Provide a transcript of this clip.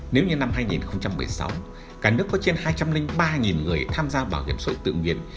nếu như năm hai nghìn một mươi sáu cả nước có trên hai trăm linh ba người tham gia bảo hiểm xã hội tự nguyện